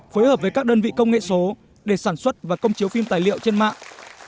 phối hợp với các đơn vị công nghệ số để sản xuất và công chiếu phim tài liệu trên mạng